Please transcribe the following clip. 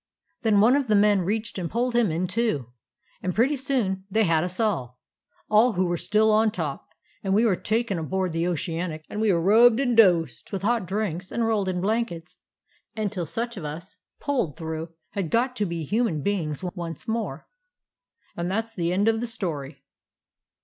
Then one of the men reached and pulled him in, too, and pretty soon they had us all, — all who were still on top, — and we were taken aboard the Oceanic and rubbed and dosed with hot drinks and rolled in blankets, till such of us as pulled through had got to be human beings once more. "And that 's the end of the story."